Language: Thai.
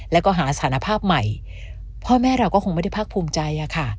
แล้วก็หาสารภาพใหม่พ่อแม่เราก็คงไม่ได้ภาคภูมิใจอะค่ะ